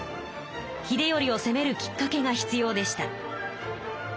秀頼をせめるきっかけが必要でした。